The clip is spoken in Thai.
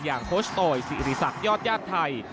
โคชโตยสิริษักยอดญาติไทย